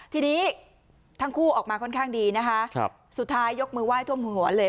ทีนี้ทั้งคู่ออกมาค่อนข้างดีนะคะสุดท้ายยกมือไห้ท่วมหัวเลย